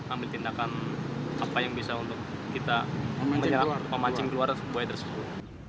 ambil tindakan apa yang bisa untuk kita memancing keluar buaya tersebut